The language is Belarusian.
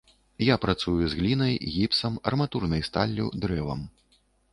Я працую з глінай, гіпсам, арматурнай сталлю, дрэвам.